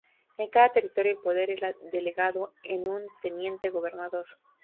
En cada territorio el poder era delegado en un Teniente-Gobernador.